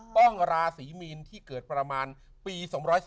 ราศีมีนที่เกิดประมาณปี๒๓